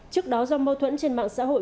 trước đó do mâu thuẫn trên mạng xã hội